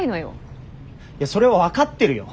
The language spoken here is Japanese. それは分かってるよ。